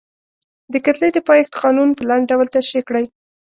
د کتلې د پایښت قانون په لنډ ډول تشریح کړئ.